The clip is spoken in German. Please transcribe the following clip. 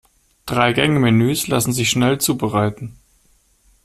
Drei-Gänge-Menüs lassen sich schnell zubereiten.